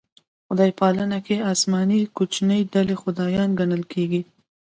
خدای پالنه کې اسماني کوچنۍ ډلې خدایان ګڼل کېږي.